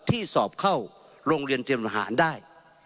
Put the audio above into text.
ที่สอบเข้าโรงเรียนเตรียมอาหารได้